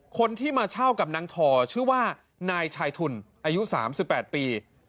คนที่มาเช่ากับนางทอชื่อว่านายชายทุนอายุ๓๘ปี